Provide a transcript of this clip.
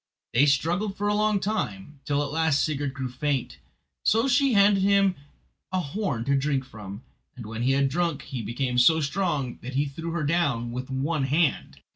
They struggled for a long time, till at last Sigurd grew faint; so she handed him a horn to drink from, and when he had drunk he became so strong that he threw her down with one hand.